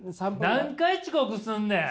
何回遅刻すんねん！